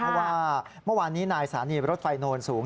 เพราะว่าเมื่อวานนี้นายสถานีรถไฟโนนสูง